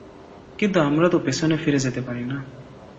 কিন্তু আমরা তো পেছনে ফিরে যেতে পারি না।